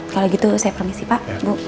kalau gitu saya permisi pak